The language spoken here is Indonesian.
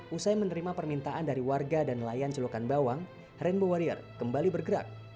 usai menerima permintaan dari warga dan nelayan celukan bawang rainbow warrior kembali bergerak